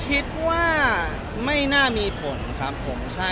คิดว่าไม่น่ามีผลครับผมใช่